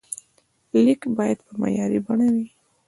لیک باید په معیاري بڼه وي.